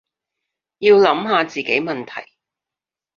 要諗下自己問題